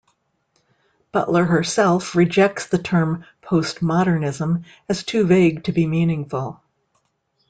Butler herself rejects the term "postmodernism" as too vague to be meaningful.